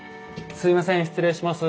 すいません失礼します。